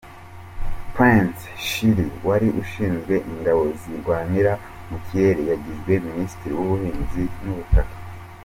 Perence Shiri wari ushinzwe ingabo zirwanira mu kirere yagizwe Minisitiri w’Ubuhinzi n’Ubutaka.